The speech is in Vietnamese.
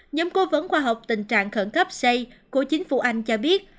nhóm cố vấn khoa học tình trạng khẩn cấp c của chính phủ anh cho biết